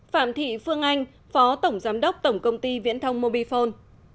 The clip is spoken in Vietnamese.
phạm thị phương anh phó tổng giám đốc tổng công ty viễn thông mobifone